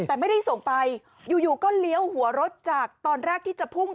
แต่ไม่ได้ส่งไปอยู่ก็เลี้ยวหัวรถจากตอนแรกที่จะพุ่ง